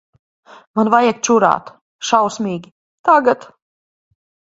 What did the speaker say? Man vajag čurāt. Šausmīgi. Tagad.